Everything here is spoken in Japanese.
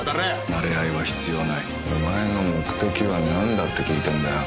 なれ合いは必要ないお前の目的は何だ？って聞いてんだよ